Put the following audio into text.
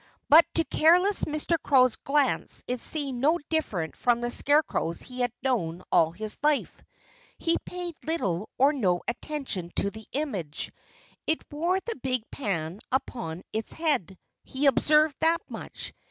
But to careless Mr. Crow's glance it seemed no different from the scarecrows he had known all his life. He paid little or no attention to the image. It wore the big pan upon its head he observed that much.